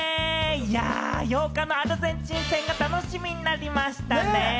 ８日のアルゼンチン戦が楽しみになりましたね。